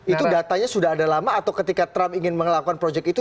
itu datanya sudah ada lama atau ketika trump ingin melakukan project itu